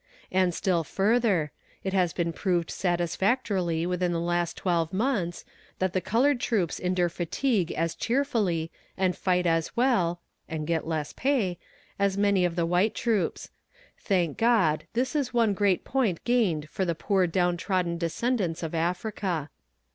And still further it has been proved satisfactorily within the last twelve months that the colored troops endure fatigue as cheerfully and fight as well (and get less pay) as any of the white troops. Thank God, this is one great point gained for the poor down trodden descendants of Africa.